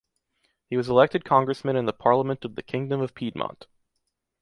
He was elected congressman in the Parliament of the Kingdom of Piedmont.